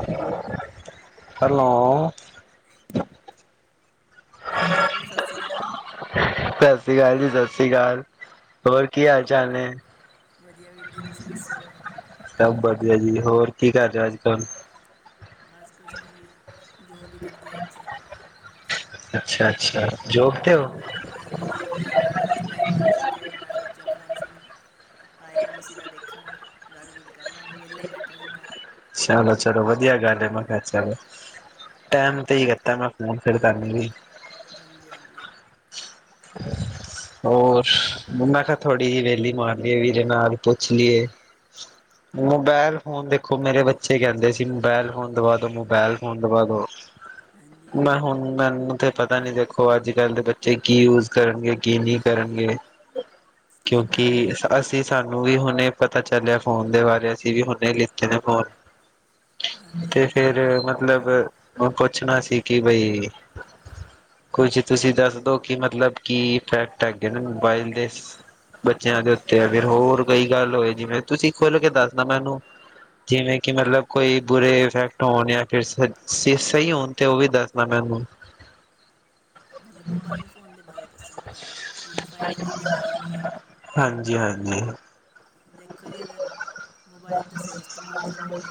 Hello hello. Hello. ਹਾਂਜੀ, ਸਤਿ ਸ਼੍ਰੀ ਅਕਾਲ ਜੀ। ਸਤਿ ਸ੍ਰੀ ਅਕਾਲ ਜੀ -ਸਤਿ ਸ਼੍ਰੀ ਅਕਾਲ, ਹੋਰ ਕੀ ਹਾਲ- ਚਾਲ ਨੇ? ਵਧੀਆ ਵੀਰ ਜੀ, ਤੁਸੀਂ ਦੱਸੋ? ਸਭ ਵਧੀਆ ਜੀ, ਹੋਰ ਕੀ ਕਰ ਰਿਹਾ ਅੱਜ- ਕੱਲ? ਬਸ ਕੁੱਛ ਨਹੀਂ ਜੀ, ਜੋਵੀ ਹੀ ਕਰਦੇ ਹ ਇੱਥੇ। ਅੱਛਾ- ਅੱਛਾ, ਜੋਬ ਤੇ ਹੋ? ਹਾਂਜੀ ਹਾਂਜੀ, ਜੋਬ ਤਾਂ ਹੈਗਾ ਲੰਚ ਟਾਈਮ ਹੋਇਆ ਸੀ ਤੇ ਮੈਂ ਸੋਚਿਆ ਫੋਨ-ਫੂਨ ਆਏਗਾ ਕਿਸੇ ਦਾ ਦੇਖਾਂਗੇ ਗੱਲ-ਗੁਲ ਕਰ ਲਾਂਗੇ ਵਿਹਲਾ ਹੀ ਬੈਠਾ ਸੀ ਮੈਂ। ਚਲੋ ਅੱਛਾ। ਚਲੋ ਵਧੀਆ ਗੱਲ ਐ। ਅੱਛਾ ਜੀ, ਟਾਇਮ ਤੇ ਹੀ ਕੀਤਾ ਮੈਂ ਫੋਨ ਫਿਰ ਕਰਨ ਵੀ। ਹਾਂਜੀ- ਹਾਂਜੀ। [inaudible] ਹੋਰ ਮੈਂ ਕਿਹਾ, ਥੋੜ੍ਹੀ ਜਿਹੀ ਵਹਲੀ ਮਾਰ ਲਈਏ ਵੀਰੇ ਨਾਲ ਪੁੱਛ ਲਈਏ। [inaudible] ਮੋਬਾਇਲ ਫੋਨ ਦੇਖੋ ਮੇਰੇ ਬੱਚੇ ਕਹਿੰਦੇ ਸੀ ਮੋਬਾਇਲ ਫੋਨ ਦਵਾਦੋ ਮੋਬਾਇਲ ਫੋਨ ਦਵਾ ਦੋ। ਹਾਂਜੀ ਮੈਂ ਹੁਣ ਮੈਨੂੰ ਤੇ ਪਤਾ ਨੀ ਦੇਖੋ ਅੱਜ- ਕੱਲ ਦੇ ਬੱਚੇ ਕੀ ਯੂਜ ਕਰਨਗੇ ਕੀ ਨੀ ਕਰਨਗੇ। ਹਾਂਜੀ ਕਿਉਂਕਿ ਹਾਂਜੀ ਅਸ ਅ ਸਾਨੂੰ ਵੀ ਹੁਣੇ ਪਤਾ ਚੱਲਿਆ ਫੋਨ ਦੇ ਬਾਰੇ ਅਸੀਂ ਵੀ ਹੁਨੇ ਲਿੱਤੇ ਨੇ ਫੋਨ‌। ਹਾਂਜੀ ਤੇ ਹਾਂਜੀ ਫੇਰ ਮਤਲਬ ਹੁੰ ਪੁੱਛਣਾ ਸੀ ਕਿ ਬਈ ਕੁਛ ਤੁਸੀਂ ਦੱਸ ਦੋ ਕਿ ਮਤਲਬ ਕੀ ਇਫੈਕਟ ਹੈਗੇ ਨੇ ਮੋਬਾਇਲ ਦੇ ਬੱਚਿਆਂ ਦੇ ਉੱਤੇ ਅਗਰ ਹੋਰ ਕੋਈ ਗੱਲ ਹੋਏ ਜਿਵੇਂ ਤੁਸੀਂ ਖੁੱਲ ਕੇ ਦੱਸਣਾ ਮੈਨੂੰ। ਜਿਵੇਂ ਕਿ ਮਤਲਬ ਕੋਈ ਬੁਰੇ ਇਫੈਕਟ ਹੋਣ ਯਾ ਫਿਰ ਸ ਸੀ ਸਹੀ ਹੋਣ ਤੇ ਓਹ ਵੀ ਦੱਸ ਨਾ ਮੈਨੂੰ ਮਲਬ ਮੋਬਾਇਲ ਫੋਨ ਦੇ ਬਾਰੇ ਦੱਸਾਂ ਮੈਂ ਤਾਨੂੰ ਕੀ ਫਾਇਦੇਮੰਦ ਹੈਗਾ ਯਾ ਨੀ ਹੈਗਾ। ਹਾਂਜੀ, ਹਾਂਜੀ। ਦੇਖੋ ਜੀ ਅਗਰ ਮੋਬਾਈਲ ਦਾ ਸਹੀ ਇਸਤੇਮਾਲ ਕਰੋਗੇ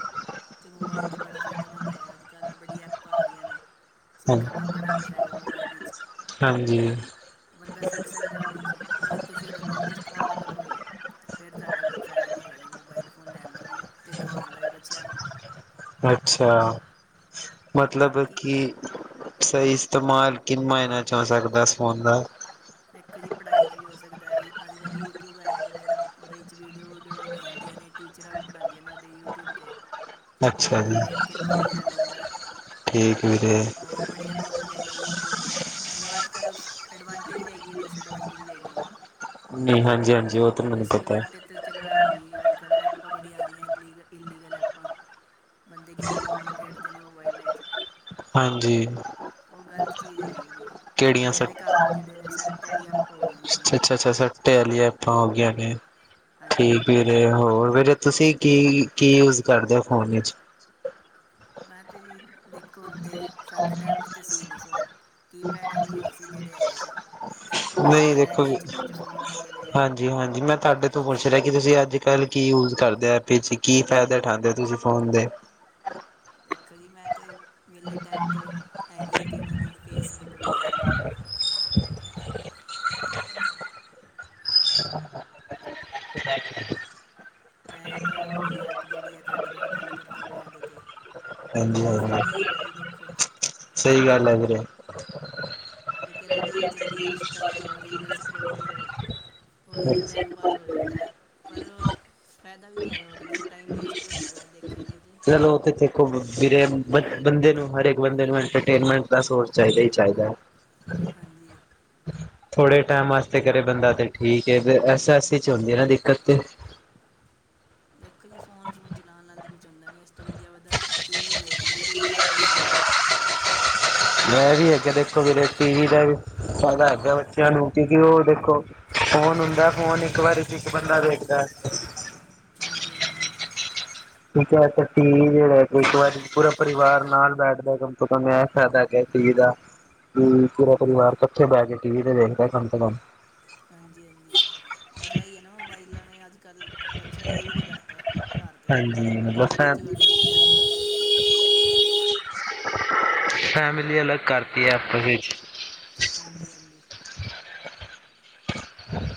ਤੇ ਮੋਬਾਇਲ ਤੇ ਬੜਾ ਫੈਦੇਮੰਦ ਹੈਗੈ ਅੱਜ-ਕੱਲ੍ਹ ਬੜੀ ਐਪਾਂ ਆ ਗੀਆਂ ਨੇ। ਸਿੱਖਣ ਨੂੰ ਵੀ ਬੜਾ ਕੁਛ ਤੈਗੈ ਮੋਬਾਈਲ ਇਚ। ਹਾਂਜੀ ਬੰਦਾ ਸਿੱਖ ਸਕਦੈ ਓਦੇ ਚ। ਅਗਰ ਤੁਸੀਂ ਓਦਾ ਗ਼ਲਤ ਇਸਤਮਾਲ ਕਰੋਗੇ ਸੈਡਾ ਕੋਈ ਫੈਦਾ ਨੀ ਹੈਗਾ ਦੀ ਮੋਬਾਇਲ ਫੋਨ ਲੈਂਣ ਦਾ ਵੀ, ਤੇ ਦਵਾਣ ਦਾ ਵੀ ਬੱਚਿਆਂ ਨੂੰ। ਅੱਛਾ, ਮਤਲਬ ਬਾਕੀ ਕਿ ਸਹੀ ਇਸਤੇਮਾਲ ਕਿੰਨ ਮਾਇਨਾਂ ਚ ਹੋ ਸਕਦੈ, ਇਸ ਫੋਨ ਦਾ? ਤੇਖੋ ਜੀ ਪੜ੍ਹਾਈ 'ਚ ਵੀ ਹੋ ਸਕਦੈ ਈ। ਅੱਜ-ਕੱਲ੍ਹ ਯੂਟਿਊਬ ਹੈਗਾ ਵਗੈਰਾ ਓਦੇ ਇਚ ਵੀਡੀਓ-ਵੂਡੀਓ ਜਦੋ ਆੰਦੀਆਂ ਨੇ ਟੀਚਰਾਂ ਵੀ ਪੜ੍ਹਾਦੀਆਂ ਨੇ ਓਦੇ ਯੂਟਿਊਬ ਤੇ। ਓ ਅੱਛਾ ਬੰਦਾ ਜੀ ਵੇਖ ਕੇ ਨੌੇਲੇਜ ਲੈ ਲੈਂਦੈ। ਠੀਕ ਵੀਰੇ ਹੋਰ ਬੜੀਆਂ ਨੌਲੇਜ ਹੈਗੀਐ ਯੂਟਿਊਬ ਤੇ। ਮਤਲਬ ਅੱਜ-ਕੱਲ ਐਡਵਾਣ ਟੇਜ ਵੀ ਹੈਗੀ ਏ ਤੇ ਡਿਸਐਡਵਾਂਟੇਜ ਵੀ ਹੈਗੀ ਏ ਏਦੀ। ਨਹੀਂ ਹਾਂਜੀ ਹਾਂਜੀ ਉਹ ਤਾਂ ਮੈਨੂੰ ਪਤਾ ਡਿਸਐਡਵਾਂਟੇਜ ਤ ਚਲੋ ਐ ਹੋ ਗੀ ਅੱਜ-ਕੱਲ ਐਪਾਂ ਬੜੀਆਂ ਆ ਗੀਐ ਲੀਗ ਇਲੀਗਲ ਐਪਾਂ। ਬੰਦੇ ਗੇਮਾਂ-ਗੁਮਾਂ ਖੇਡਦੇ ਨੇ ਮੋਬਾਈਲਾਂ ਇਚ। ਹਾਂਜੀ, ਚੀਜ਼ ਹੈਗੀ ਇਹਦੀ ਕੇੜੀਆਂ ਸ ਬੜਿਆਂ ਦੇ ਛਛਾ, ਘਰ ਜਿਹੜੇ ਨੇ ਸੱਟ ਵਾਲੀ ਐਪ ਹੋ ਗਈਆਂ ਜਿਹੜੀਆਂ ਅੱਛਾ, ਛਾ। ਐ ਲੀਆ ਐਪਾਂ ਹੋ ਗੀਆਂ ਨੇ। ਹਾਂਜੀ ਠੀਕ ਹਾਂਜੀ ਵੀਰੇ, ਹੋਰ ਵੀਰੇ ਤੁਸੀਂ ਕੀ ਕੀ ਯੂਸ ਕਰਦੇ ਔ, ਫੋਨ ਇਚ? ਮੈਂ ਤੇ ਵੀ ਦੇਖੋ ਹੁਣ ਦੇ ਸਾਡੇ ਟੈਮ ਚ ਤੇ ਸੀ ਨੀ ਫੋਨ। ਕੀਪੈਡ ਆਲੀ ਹੈਗੇ ਸੀ ਜੇੜੇ ਹੈਗੇ ਸੀ। ਅੱਜ-ਕੱਲ੍ਹ ਐ ਟੱਚ-ਟੂਚ ਫੋਨ ਆ ਗੇ ਨੇ। ਜੀ ਹਾਂਜੀ, ਮੈਂ ਤਾਡੇ ਤੋਂ ਪੁੱਛ ਰਿਆ, ਕਿ ਤੁਸੀਂ ਅੱਜ-ਕੱਲ੍ਹ ਕੀ ਯੂਜ਼ ਕਰਦੇ ਐ ਪੀ ਚੀ ਕੀ ਫੈਦੇ ਉਠਾੰਦੇ ਔ, ਤੁਸੀਂ ਫੋਨ ਦੇ? ਦੇਖੋ ਜੀ ਮੈਂ ਤੇ ਵੇਲੇ ਟੈਮ 'ਤੇ ਹੈਗੀ ਏ ਏਕ ਐਨਾਂ ਦੀ ਫੇਸਬੁੱਕ ਵਗੈਰਾ [inaudible] [unintelligible] ਐ ਇੱਕ ਐ ਹੋ ਗੀ ਐਪ, ਜੇੜੀ ਐ ਤਾਡੇ ਨਾਲ ਗੱਲ ਕਰਦਾ ਪੇਆ ਐਦੇ ਤੇ। ਹਾਂਜੀ ਐਦੀ ਫੈਦਾ ਈ ਹਾਂਜੀ ਹੈਗੈ ਜੀ, ਦੇਖੋ। ਸਹੀ ਗੱਲ ਐ ਵੀਰੇ। ਇਕ ਐਨਾ ਦੀ ਐ ਚੱਲੀ ਏ ਇੰਸਟਾਗ੍ਰਾਮ, ਰੀਲਾਂ ਸਕਰੋਲ ਕਰੋ। ਓਦੇ ਇਚ ਟੈਮ ਪਾਸ ਹੋ ਜਾਂਦੈ। ਪਰ ਅ ਫੈਦਾ ਵੀ ਨੀ ਹੈਗਾ ਓਦੇ 'ਚ ਟਾਈਮ ਵੇਸਟ ਈ ਹੁੰਦੈ ਵੈ ਦੇਖਿਆ ਜਾਏ ਤੇ। ਚਲੋ ਓ ਤੇ ਦੇਖੋ ਵੀਰੇ ਬੰ-ਬੰਦੇ ਨੂੰ ਹਰਏਕ ਬੰਦੇ ਨੂੰ ਐੰਟਰਟੇਨਮੈਂਟ ਦਾ ਸੋਰ ਚਾਈਦੈ ਈ ਚਾਈਦੈ। ਹਾਂਜੀ ਥੋੜੇ ਟੈਮ ਆਸਤੇ ਕਰੇ ਬੰਦਾ ਤੇ ਠੀਕ ਏ। ਤੇ ਐਸਾ ਐਸੀ ਚ ਹੋੰਦੀ ਏ ਨਾ ਦਿੱਕਤ ਤੇ। ਦੇਖੋ ਜੀ, ਫੋਨ-ਫੂਨ ਚਲਾਣ ਨਾਲ ਤੇ ਕੁੱਛ ਹੁੰਦਾ ਨੀ, ਇਸ ਤੋਂ ਵੰਧੀਆ ਵਧੈ ਟੀ ਵੀ ਵੇਖ ਲੇ। ਟੀ ਵੀ ਅ ਤੇ ਸਈ ਹੈਗੈ ਸਿਸਟਮ। ਮੈਂ ਵੀ ਅੱਗੇ ਦੇਖੋ ਵੀਰੇ ਟੀ ਵੀ ਦਾ ਵੀ ਫੈਦਾ ਹੈਗਾ ਬੱਚਿਆਂ ਨੂੰ, ਕਿਉਂਕਿ ਓਹ ਦੇਖੋ ਫੋਨ ਹੁੰਦੈ, ਫੋਨ ਇਕ ਵਾਰੀ ਚ ਇਕ ਬੰਦਾ ਵੇਖਦੈ। ਹੰਜੀ, ਆੰਜੀ। ਠੀਕ ਐ ਤੇ ਟੀ ਵੀ ਜੇੜੈ ਕੋ ਇੱਕ ਵਾਰੀ ਪੂਰਾ ਪਰਿਵਾਰ ਨਾਲ ਬੈਠਦੈ ਕੰਮ ਤੋਂ ਕਮ ਐ ਫੈਦੈ। ਟੀ ਵੀ ਦਾ ਹੂੰ, ਪੂਰਾ ਹਾਂਜੀ ਪਰਿਵਾਰ ਕੱਠੇ ਬੈ ਕੇ ਟੀ ਵੀ ਤੇ ਵੇਖਦੈ ਕੰਮ ਸੇ ਕੰਮ। ਹਾਂਜੀ-ਹਾਂਜੀ, ਬਸ ਐਹੀ ਏ ਨਾ ਮੋਬਾਈਲਾਂ ਨੇ ਅੱਜ-ਕੱਲ ਬੱਚਿਆਂ ਨੂੰ ਦੂਰ ਈ ਕਰਤੈ। ਘਰ ਦਯਾ ਤੋ ਹਾਂਜੀ ਮੋਬਾਇਲਾਂ ਈ ਚੀ ਮਤਲਬ ਵੜੇ ਹੁੰਦੇ ਨੇ ਅੱਜ-ਕੱਲ੍ਹ ਦੇ ਬੱਚੇ। ਫੈਮਿਲੀ ਅਲੱਗ ਕਰਤੀ ਏ ਆਪਸ ਇਚ। ਹਾਂਜੀ, ਹਾਂਜੀ।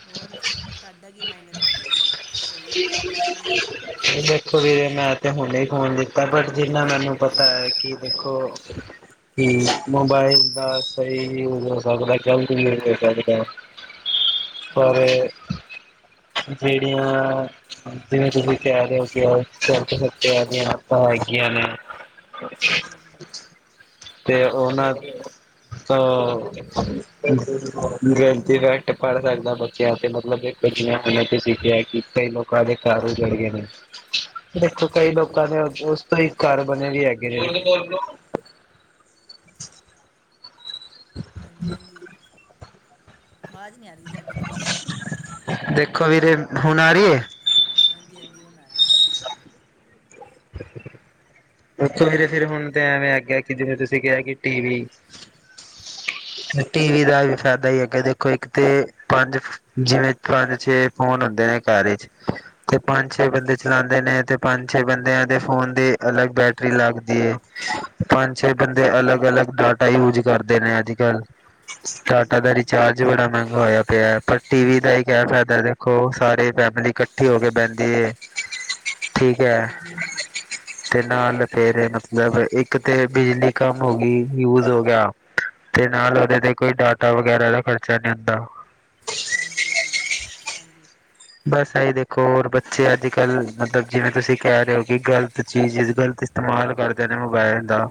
ਹੌਰ, ਤਾਡਾ ਕੀ ਮਾਇਣੇ ਰਖਦੈ ਜੀ, ਸਹੀ ਹੈਗੈ ਮੋਬਾਇਲ, ਨਹੀਂ ਹੈਗਾ? ਏ ਦੇਖੋ ਵੀਰੇ ਮੈਂ ਤੇ ਹੁਣੇ ਈ ਫੋਨ ਲਿਤੈ ਬਟ ਜਿੰਨਾ ਮੈਨੂੰ ਪਤਾ ਹੈ ਕਿ ਵੇਖੋ ਓਕੇ [unintelligible] ਕਿ ਮੋਬਾਇਲ ਦਾ ਸਹੀ ਯੂਜ ਹੋ ਸਕਦਾ ਗਲਤ ਵੀ ਹੋ ਸਕਦੈ। ਪਰ ਹਾਂਜੀ ਏ ਹਾਂਜੀ ਜਿਹੜੀਆਂ ਜਿਵੇਂ ਤੁਸੀਂ ਤਿਆਰ ਹੋ ਗ ਹੋਿਰ ਤਿਆਰੀਆਂ ਆਪਾਂ ਹੈਗੀਆਂ ਨੇ [unintelligible] ਹਾਂਜੀ ਹਾਂਜੀ ਤੇ ਉਹਨਾਂ ਤੋ ਗਲਤ ਇਫੈਕਟ ਪੜ ਸਕਦੈ ਬੱਚਿਆਂ ਤੇ ਮਤਲਬ ਕੇ ਬੱਚਿਆਂ ਸਿੱਖਿਆ ਕਿ ਕਈ ਲੋਕਾਂ ਦੇ ਘਰ ਉਜੜ ਗਏ ਨੇ। ਦੇਖੋ ਹਾਂਜੀ ਕਈ ਹਾਂਜੀ ਲੋਕਾਂ ਨੇ ਉਸ ਤੋਂ ਈ ਘਰ ਬਣੇ ਵੀ ਹੈਗੇ ਨੇ। ਹਾਂਜੀ ਅ ਹਾਂਜੀ [unintelligible] ਆਵਾਜ਼ ਨੀ ਆ ਰਹੀ ਸਾਡੀ ਕਲੀਅਰ। ਦੇਖੋ ਵੀਰੇ ਹੁਣ ਆ ਰੀ ਏ। ਹਾਂਜੀ- ਹਾਂਜੀ। ਹੁਣ ਆ ਰੀ। ਅੱਛਾ [unintelligible] ਉਥੋਂ ਵੀਰੇ ਫਿਰ ਹੁਣ ਤੇ ਐਵੇਂ ਆਗਿਆ ਕਿ ਜਿਵੇ ਤੁਸੀਂ ਕਿਹਾ ਕਿ ਟੀਵੀ [inaudible] ਟੀ ਵੀ ਦਾ ਵੀ ਫੈਦਾ ਈ ਹੈਗਾ ਦੇਖੋ ਇਕ ਤੇ ਪੰਜ ਜਿਵੇਂ ਪੰਜ ਛੇ ਫੋਨ ਹੁੰਦੇ ਨੇ ਘਰ ਇਚ ਤੇ ਪੰਜ ਛੇ ਬੰਦੇ ਚਲਾਦੇ ਨੇ ਤੇ ਪੰਜ ਛੇ ਬੰਦੇ ਤੇ ਫੋਨ ਦੀ ਅਲੱਗ ਬੈਟਰੀ ਲੱਗਦੀ ਏ। ਪੰਜ ਛੇ ਹਾਂਜੀ ਬੰਦੇ ਅਲੱਗ- ਅਲੱਗ ਡਾਟ ਟਾਈ ਯੂਜ ਕਰਦੇ ਨੇ ਅੱਜ- ਕੱਲ ਡਾਟਾ ਹਾਂਜੀ ਹਾਂਜੀ ਦਾ ਹਾਂਜੀ ਰਿਚਾਰਜ ਬੜਾ ਮਹਿੰਗਾ ਹੋਯਾ ਪਯੈ। ਪਰ ਟੀ ਵੀ ਦਾ ਇੱਕ ਏਹ ਫੈਦੈ ਦੇਖੋ ਸਾਰੀ ਫੈਮਲੀ ਕੱਠੀ ਹੋ ਕੇ ਬਹੰਦੀ ਏ। ਠੀਕ ਹੈ। ਹਾਂਜੀ ਤੇ ਨਾਲ ਫੇਰ ਮਤਲਬ ਇੱਕ ਤੇ ਬਿਜਲੀ ਕੰਮ ਹੋ ਗੀ ਯੂਜ ਹੋ ਗਯਾ। ਤੇ ਨਾਲ ਉਹਦੇ ਤੇ ਕੋਈ ਡਾਟਾ ਵਗੈਰਾ ਦਾ ਖਰਚਾ ਨੀ ਹੁੰਦਾ। ਹਾਂਜੀ- ਹਾਂਜੀ- ਹਾਂਜੀ। ਬਸ ਏਹੀ ਦੇਖੋ ਔਰ ਬੱਚੇ ਅੱਜ ਕੱਲ ਮਤਲਬ ਜਿਵੇਂ ਤੁਸੀਂ ਕਹ ਰੇ ਹੋ ਕਿ ਗ਼ਲਤ ਚੀਜ਼ -ਗਲਤ ਚੀਜ। ਇਸਤਮਾਲ ਕਰਦੇ ਨੇ ਮੋਬੈਲ ਦਾ।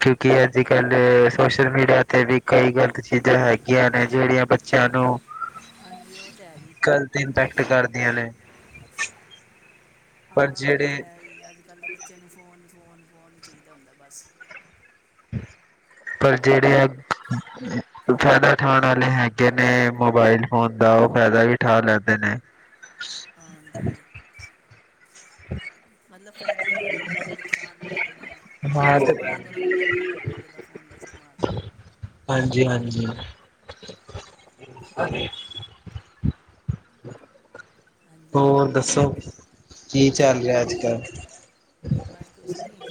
ਕਿਉਂਕਿ ਅੱਜ ਕੱਲ ਸੋਸ਼ਲ ਮੀਡੀਆ ਤੇ ਵੀ ਕਈ ਗ਼ਲਤ ਚੀਜ਼ਾਂ ਹੈਗੀਆਂ ਨੇ ਜੇਹੜੀਆਂ ਬਚ। ਚਲੋ। ਹਾਂਜੀ ਉਹ ਤੇ ਹੈ ਈ। ਇੰਪੈਕਟ ਕਰਦੀਆਂ ਨੇ। ਪਰ ਹਾਂ ਉਹ ਤੇ ਜਿਹੜੇ ਹੈ ਈ, ਅੱਜ ਕੱਲ ਦੇ ਬੱਚਿਆਂ ਨੂੰ ਫੋਨ, ਫੋਨ, ਫੋਨ ਹੀ ਚਾਹੀਦੈ ਹੁੰਦਾ ਬਸ! ਪਰ ਜਿਹੜੇ ਆ ਫੈਦਾ ਠਾਣ ਵਾਲੇ ਹੈਗੇ ਨੇ ਮੋਬਾਇਲ ਫੋਨ ਦਾ ਉਹ ਫੈਦਾ ਵੀ ਠਾ ਲੈਂਦੇ ਨੇ। [inaudible] ਹਾਂਜੀ, ਮਤਲਬ ਫਾਇਦੇ ਵੀ ਹੈਗੇ ਨੇ ਐਦੇ ਨੁਕਸਾਨ ਵੀ ਹੈਗੇ ਨੇ। ਜਿਵੇਂ ਹਾਂ ਤੇ ਇਸਤੇਮਾਲ ਕਰੋਗੇ ਐਵੀ ਹੋਏਗਾ ਜੀ ਇੱਦਾਂ ਫੋਨ ਦਾ ਇਸਤੇਮਾਲ। ਹਾਂਜੀ ਹਾਂਜੀ, ਹਾਂਜੀ ਹੋਰ ਦੱਸੋ? ਕੀ ਬਸ ਚੱਲ ਜੀ ਰਿਹਾ ਅੱਜ ਵਧੀਆ। ਕੱਲ ਬਸ ਕੁਛ ਨਹੀਂ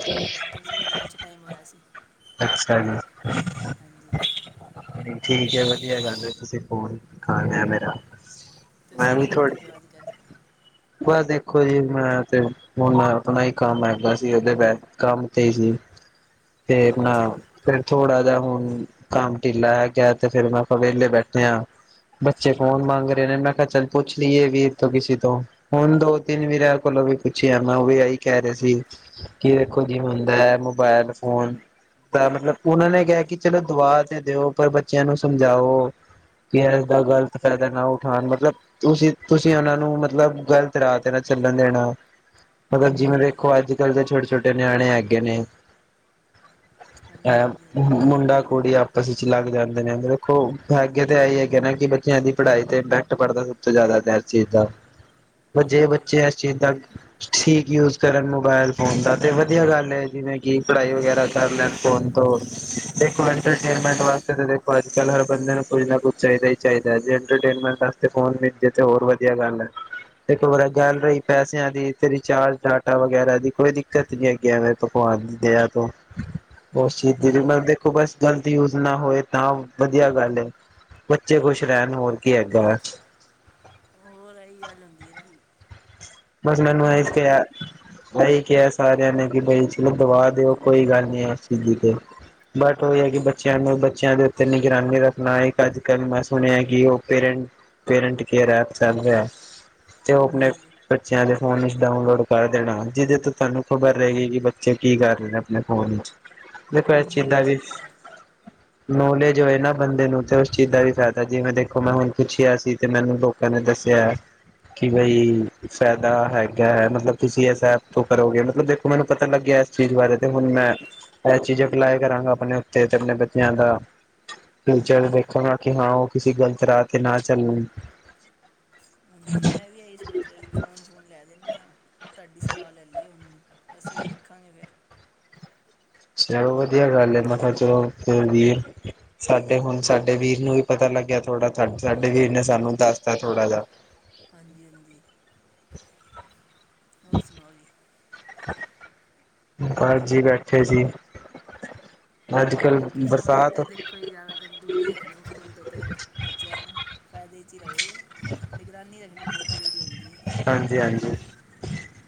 ਵਿਹਲੇ ਈ ਬੈਠੇ ਸੀ ਲੰਚ ਟਾਈਮ ਹੋਇਆ ਸੀ। ਅੱਛਾ ਜੀ। ਹਾਂਜੀ ਠੀਕ ਐ ਵਧੀਆ ਗੱਲ ਐ ਤੁਸੀਂ ਫੋਨ ਲਾ ਲਿਆ ਮੇਰਾ। ਤੁਸੀਂ ਕੀ ਕਰਦੇ ਪਏਓ ਅੱਜ ਕੱਲ੍ਹ? ਪਰ ਦੇਖੋ ਜੀ ਮੈਂ ਤੇ ਹੁਣ ਆਪਣਾ ਈ ਕੰਮ ਹੈਗਾ ਸੀ ਉਹਦੇ ਕੰਮ ਤੇ ਹੀ ਕਿ ਆਪਣਾ ਅੱਛਾ ਜੀ ਫੇਰ ਥੋੜਾ ਜਾ ਹੁਣ ਕੰਮ ਢਿੱਲਾ ਹੈ ਗਿਆ ਤੇ ਫੇਰ ਮੈਂ ਵਹਿਲੇ ਬੈਠੇ ਆ। ਬੱਚੇ ਫ਼ੋਨ ਮੰਗ ਰੇ ਮੈਂ ਕਿਹਾ ਚੱਲ ਪੁੱਛ ਲਈਏ ਵੀਰ ਤੋਂ ਕਿਸੀ ਤੋਂ ਹੁਣ ਦੋ ਤਿੰਨ ਵੀਰਿਆਂ ਕੋਲੋਂ ਵੀ ਪੁੱਛਿਆ ਮੈਂ ਉਹ ਵੀ ਇਹੀ ਕਹਿ ਰੇ ਸੀ। ਕੀ ਦੇਖੋ ਜੀ ਹੁੰਦਾ ਐ ਮੋਬੇਲ ਫੋਨ ਮਤਲਬ ਉਹਨਾਂ ਨੇ ਕਿਹਾ ਕਿ ਚਲੋ ਦਵਾ ਤੇ ਦਿਓ ਪਰ ਬੱਚਿਆਂ ਨੂੰ ਸਮਝਾਓ। ਕਿ ਇਦਾ ਗ਼ਲਤ ਫਾਇਦਾ ਨਾ ਉਠਾਉਣ ਮਤਲਬ ਤੁਸੀਂ ਤੁਸੀਂ ਉਹਨਾਂ ਨੂੰ ਮਤਲਬ। ਗ਼ਲਤ ਰਾਹ ਤੇ ਨਾਲ ਚੱਲਣ ਦੇਣਾ, ਮਤਲਬ ਹਾਂਜੀ ਜਿਵੇਂ ਹਾਂਜੀ ਦੇਖੋ ਅੱਜ ਅੱਜ-ਕੱਲ੍ਹ ਦੇ ਛੋਟੇ-ਛੋਟੇ ਨਿਆਣੇ ਹੈਗੇ ਨੇ। ਹਾਂਜੀ ਹਾਂਜੀ ਅ ਮੁੰਡਾ ਕੂੜੀਆਂ। ਕਿਸੇ ਚ ਲੱਗ ਜਾਂਦੇ ਨੇ ਦੇਖੋ ਹੈਗੇ ਤੇ ਐਈ ਏ ਕੀ ਬੱਚਿਆਂ ਦੀ ਪੜ੍ਹਾਈ ਤੇ ਇਫ਼ੈਕਟ ਪੜਦਾ। ਜ਼ਿਆਦਾ ਤਾ ਇਸ ਚੀਜ ਦਾ। ਜੇ ਹਾਂਜੀ ਹਾਂਜੀ ਬੱਚੇ ਐਸ ਚੀਜ ਦਾ। ਠੀਕ ਯੂਜ ਕਰਨ ਮੋਬਾਇਲ ਫੋਨ ਦਾ ਤੇ ਵਧੀਆ ਗੱਲ ਐ ਜਿਵੇਂ ਕਿ ਪੜ੍ਹਾਈ ਵਗੈਰਾ ਕਰ ਲੈਣ ਫੋਨ ਦੇਖੋ ਹਾਂਜੀ ਇੰਟਰਟੇਨਮੈਂਟ ਵਾਸਤੇ ਤਾਂ ਦੇਖੋ ਅੱਜ ਕੱਲ ਹਰ ਬੰਦੇ ਨੂੰ ਕੁੱਝ ਨਾ ਕੁੱਝ ਚਾਈਦਾ। ਚਾਈਦਾ ਜੀ ਇੰਟਰਨੇਟ ਮੈਟ ਵਸਤੇ ਫੋਨੇ ਮਿਲਜੇ ਤੇ ਹੋਰ ਵਧੀਆ ਗੱਲ ਐ। ਤੇ ਗੱਲ ਹੋਈ ਹਾਂਜੀ ਪੈਸਿਆਂ ਦੀ ਰਿਚਾਰਜ ਡਾਟਾ ਵਗੈਰਾ ਦੀ ਕੋਈ ਦਿੱਕਤ ਨੀ ਹੈ ਗਿਆ ਮੈਂ ਭ ਭਗਵਾਨ ਦੀ ਦਿਆ ਤੋ, ਉਸ ਚੀਜ਼ ਹਾਂਜੀ ਦੀ ਹਾਂਜੀ ਦੇਖੋ ਬਸ। ਗ਼ਲਤ ਯੂਜ ਨਾ ਹੋਏ ਤਾਂ ਵਧੀਆ ਗੱਲ ਐ, ਬੱਚੇ ਖੁਸ਼ ਰਹਿਣ ਹੋਰ ਕੀ ਹੈਗਾ ਅ। ਐਈ ਗੱਲ ਹੁੰਦੀ ਐ ਨਾ ਜੀ। ਬਸ ਮੈਨੂੰ [unintelligible] ਮੋਬਾਈਲ ਆਹੀ ਕਿਹਾ ਸਾਰਿਆਂ ਨੇ ਕਿ ਬਈ ਚਲੋ ਦਵਾ ਦਿਓ ਕੋਈ ਗੱਲ ਨੀ ਇਸ ਚੀਜ਼ ਤੇ। ਬਟ ਉਹੀ ਐ ਕਿ ਬੱਚਿਆਂ ਨੂੰ ਬੱਚਿਆਂ ਦੇ ਉੱਤੇ ਨਿਗਰਾਨੀ ਰੱਖਣਾ ਅੱਜ ਕੱਲ ਮੈਂ ਸੁਣਿਆ ਕਿ ਉਹ ਪੇਰਟ। ਪੇਰੈਂਟ ਕੇਅਰ ਐਪ ਚੱਲ ਰਿਆ ਤੇ ਉਹ ਹਾਂਜੀ ਆਪਣੇ ਹਾਂਜੀ ਬੱਚਿਆਂ ਦੇ ਫੋਨ ਵਿਚ ਡਾਊਨਲੋਡ ਕਰ ਦੇਣਾ ਜਿਹਦੇ ਤੋਂ ਤੁਹਾਨੂੰ ਖ਼ਬਰ ਰਹੇਗੀਈ ਕਿ ਬੱਚੇ ਕੀ ਕਰ ਰਹੇ ਨੇ ਆਪਣੇ ਫੋਨ ਚ। ਦੇਖੋ ਇਸ ਹਾਂਜੀ ਚੀਜ ਦਾ ਉਹ ਵੀ। ਤਾਂ ਹੈ ਨੌਲੇਜ ਹੋਏ ਨਾ ਬੰਦੇ ਨੂੰ ਤੇ ਉਸ ਚੀਜ਼ ਦਾ ਵੀ ਫਾਇਦਾ ਜਿਵੇਂ ਦੇਖੋ ਮੈਂ ਹੁਣ ਪੁੱਛਿਆ ਸੀ ਤੇ ਮੈਨੂੰ ਲੋਕਾ ਨੇ ਦੱਸਿਆ, ਕਿ ਬਈ ਫ਼ਾਇਦਾ ਹੈਗਾ ਐ ਮਤਲਬ ਤੁਸੀਂ ਇਸ ਐਪ ਤੋਂ ਕਰੋਗੇ ਮਤਲਬ ਦੇਖੋ ਮੈਨੂੰ ਪਤਾ ਲੱਗਿਆ ਇਸ ਚੀਜ਼ ਬਾਰੇ ਤੇ ਹੁਣ ਮੈਂ। ਇਹ ਚੀਜ਼ਾਂ ਅਪਲਾਏ ਕਰਾਂਗਾ ਆਪਣੇ ਓਤੇ ਤੇ ਆਪਣੇ ਬੱਚਿਆਂ ਦਾ। ਫਿਰ ਚਾਏ ਦੇਖਣਾ ਕਿ ਹਾਂ ਉਹ ਕਿਸੇ ਗ਼ਲਤ ਰਾਹ ਤੇ ਨਾ ਚੱਲਣ। ਹਾਂਜੀ ਮੈਂ ਵੀ ਇਹੀ ਸੋਚ ਰਿਹਾ ਸੀ ਫੋਨ-ਫੋਨ ਲੈ ਦਿੰਨੇ ਆ ਉਹ ਤੁਹਾਡੀ ਸਲਾਹ ਲੈ ਲਈ ਆ ਉਹਨੂੰ ਅਸੀਂ ਵਖ ਵੇਖਾਂਗੇ ਫੇਰ। ਚਲੋ ਵਧੀਆ ਗੱਲ ਹੈ। ਮੈਂ ਕਿਹਾ ਚਲੋ ਖੋਲਦੀ ਏ ਸਾਡੇ ਹੁਣ ਸਾਡੇ ਵੀਰ ਨੂੰ ਵੀ ਪਤਾ ਲੱਗਿਆ ਥੋੜਾ ਸਾਡੇ ਵੀਰ ਨੇ ਸਾਨੂੰ ਦੱਸਤਾ ਥੋੜਾ ਜਿਹਾ। ਹਾਂਜੀ। ਹਾਂਜੀ। ਹੋਰ ਸੁਣਾਓ ਜੀ। ਬਸ ਜੀ ਬੈਠੇ ਸੀ। ਅੱਜ ਕੱਲ ਬਾਕੀ ਫ਼ੋਨ ਤੋਂ ਤੇ ਬਰਸਾਤ ਦੇਖੋ ਜ਼ਯਾਦਾ ਦੇਰ ਦੂਰ ਹੀ ਰੱਖਣਾ ਫੋਨ ਤੋਂ ਤਾਂ ਬੱਚਿਆਂ ਨੂੰ। ਫਾਇਦੇ 'ਚ ਹੀ ਰਹੋਗੇ ਨਿਗਰਾਨੀ ਰੱਖਣੀ ਬਹੁਤ ਜ਼ਰੂਰੀ ਹੁੰਦੀ ਏ ਹਾਂਜੀ ਹਾਂਜੀ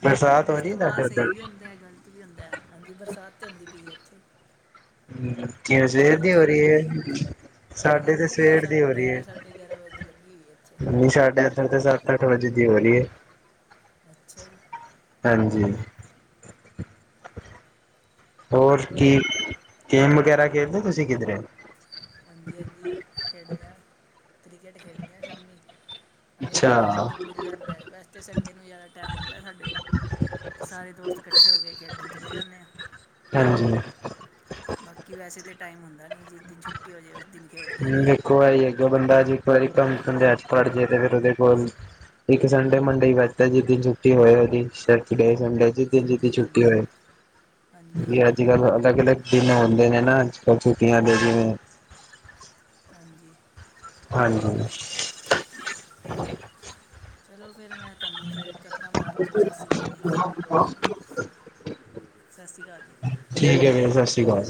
ਬਰਸਾਤ ਹੋ ਰਹੀ ਹੈ ਇਸਤੇਮਾਲ ਤੁਹਾਡੇ ਸਹੀ ਉੱਧਰ ਵੀ ਹੁੰਦਾ ਗ਼ਲਤ ਵੀ ਹੁੰਦਾ ਹਾਂਜੀ ਬਰਸਾਤ ਤੇ ਹੁੰਦੀ ਪਈ ਏ ਇੱਥੇ। ਹਮ। ਜਿਆ ਸਵੇਰ ਤੁਹਾਡੇ ਦੀ ਉੱਥੇ ਹੋ ਰਹੀ ਹੁੰਦੀ ਏ। ਪਈ ਹੈ ਤੁਹਾਡੇ ਸਾਡੇ ਤੇ ਲੱਗੀ ਹੋਈ ਹੈ ਸਵੇਰ ਸਾ ਦੀ ਹੋ ਰਹੀ ਗਿਆਰਾਂ ਏ। ਸਾਢੇ ਗਿਆਰਾਂ ਵਜੇ ਦੀ ਲੱਗੀ ਹੋਈ ਹੈ ਇੱਥੇ ਨਹੀ ਸਾਢੇ ਏਧਰ ਸੱਤ ਅੱਠ ਵਜੇ ਦੀ ਹੋ ਰਹੀ ਹੈ। ਅੱਛਾ ਜੀ। ਹਾਂਜੀ। ਹੋਰ ਕਿ ਗੇਮ ਵਗੈਰਾ ਖੇਡਦੇ ਤੁਸੀਂ ਕਿਧਰੇ। ਹਾਂਜੀ ਹਾਂਜੀ ਖੇਡਦੇ ਹਾਂ। ਕ੍ਰਿਕੇਟ ਖੇਡਦੇ ਹਾਂ ਸ਼ਾਮੀ। ਅਗਰ ਅੱਛਾ ਟਾਈਮ ਟੂ ਮਿਲ ਜਾਂਦਾ ਵੈਸੇ। ਤੇ ਸੰਡੇ ਨੂੰ ਜ਼ਿਆਦਾ ਟਾਈਮ ਹੁੰਦਾ ਸਾਡੇ ਕੋਲ ਤੇ ਸਾਰੇ ਦੋਸਤ ਇਕੱਠੇ ਹੋ ਕੇ ਖੇਡਣ ਚਲੇ ਜਾਂਦੇ ਹਾਂ। ਹਾਂਜੀ। ਬਾਕੀ ਵੈਸੇ ਤੇ ਟਾਈਮ ਹੁੰਦਾ ਨਹੀਂ। ਜਿਸ ਦਿਨ ਛੁੱਟੀ ਹੋ ਜਾਏ ਉਸ ਦਿਨ ਖੇਡ ਲਈਦਾ ਇੱਕੋ ਵਾਰੀ ਅਗਰ ਬੰਦਾ ਜੇਕਰ ਇੱਕ ਵਾਰੀ ਕੰਮ 'ਚ ਫੜ ਜਾਏ ਤੇ ਫਿਰ ਉਹਦੇ ਕੋਲ। ਇੱਕ ਸੰਡੇ ਮੰਡੇ ਹੀ ਬਚਦਾ ਜਿਸ ਦਿਨ ਛੁੱਟੀ ਹੋਏ ਉਹਦੀ। ਗਏ ਸੰਡੇ 'ਚ ਜਿਸ ਜਿਸ ਦਿਨ ਹਾਂਜੀ ਛੁੱਟੀ ਹਾਂਜੀ ਹਾਂਜੀ ਹੋਵੇ। ਅੱਜ ਕੱਲ੍ਹ ਅਲੱਗ ਅਲੱਗ ਦਿਨ ਹੁੰਦੇ ਨੇ ਨਾ ਅੱਜ ਕੱਲ ਛੁੱਟੀਆਂ ਦੇ ਜਿਵੇਂ ਹਾਂਜੀ ਹਾਂਜੀ ਚਲੋ ਫੇਰ ਮੈਂ ਤੁਹਾਨੂੰ ਫਿਰ ਕਰਦਾਂ ਬਾਅਦ 'ਚੋਂ ਸਤਿ ਸ਼੍ਰੀ ਅਕਾਲ ਜੀ ਸਸ੍ਰੀ ਅਕਾਲ ਜੀ ਠੀਕ ਹੈ ਵੀਰ ਸਸ੍ਰੀ ਅਕਾਲ